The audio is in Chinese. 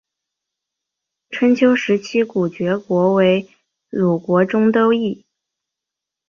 春秋时期古厥国为鲁国中都邑。